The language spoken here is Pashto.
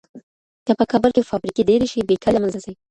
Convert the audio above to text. که په کابل کي فابریکي ډېرې شي، بېکاري له منځه ځي.